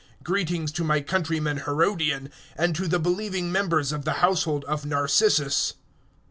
016:011 Greetings to my countryman, Herodion; and to the believing members of the household of Narcissus.